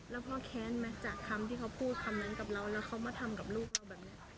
แล้วเขามาทำกับลูกเราแบบนี้